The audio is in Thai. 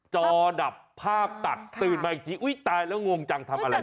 จอดับภาพตัดตื่นมาอีกทีอุ๊ยตายแล้วงงจังทำอะไร